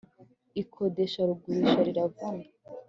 ikodeshagurisha riravuna